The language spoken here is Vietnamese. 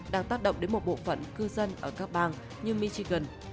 đang tác động đến một bộ phận cư dân ở các bang như michigan